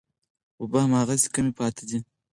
اوبه هماغسې کمې پاتې دي.